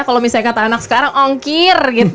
kalau misalnya kata anak sekarang ongkir gitu